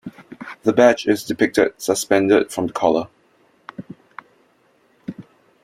The badge is depicted suspended from the collar.